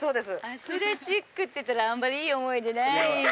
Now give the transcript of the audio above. アスレチックっていったらあんまりいい思い出ない。